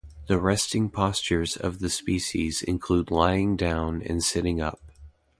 The resting postures of the species include lying down and sitting up.